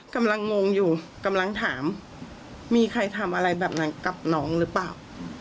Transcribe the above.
งงอยู่กำลังถามมีใครทำอะไรแบบนั้นกับน้องหรือเปล่า